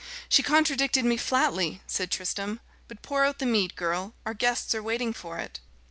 "She contradicted me flatly," said Tristram. "But pour out the mead, girl; our guests are waiting for it."